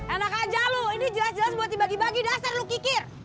enak aja lu ini jelas jelas buat dibagi bagi dasar lo kikir